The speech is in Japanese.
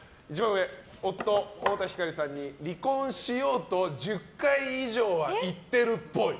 夫・太田光さんに「離婚しよう」と１０回以上は言ってるっぽい。